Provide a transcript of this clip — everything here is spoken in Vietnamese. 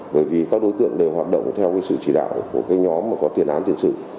bởi vì các đối tượng đều hoạt động theo sự chỉ đạo của nhóm có tiền án tiền sự